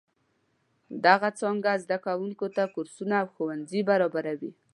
دغه څانګه زده کوونکو ته کورسونه او ښوونځي برابروي.